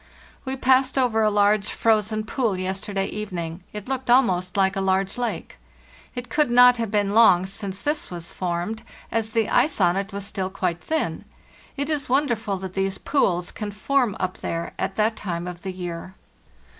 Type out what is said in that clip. "We passed over a large frozen pool yesterday even ing; it looked almost like a large lake." It could not have been long since this was formed, as the ice on it was still quite thin. It is wonderful that these pools can form up there at that time of the year.